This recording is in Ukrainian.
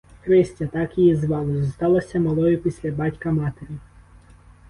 Христя — так її звали — зосталася малою після батька-матері.